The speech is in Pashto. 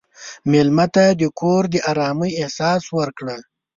مېلمه ته د کور د ارامۍ احساس ورکړه.